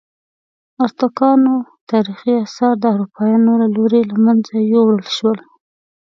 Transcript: ازتکانو تاریخي آثار د اروپایانو له لوري له منځه یوړل شول.